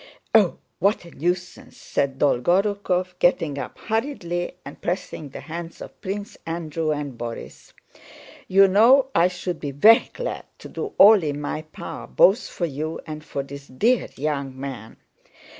"Oh, what a nuisance," said Dolgorúkov, getting up hurriedly and pressing the hands of Prince Andrew and Borís. "You know I should be very glad to do all in my power both for you and for this dear young man."